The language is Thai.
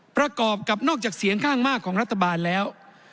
ประกอบกับนอกจากเสียงข้างมากของรัฐบาลแล้ว